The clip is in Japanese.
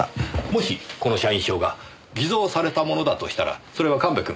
もしこの社員証が偽造されたものだとしたらそれは神戸君。